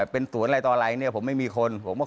เร็วเข้ามานี่ผมก็ลงไป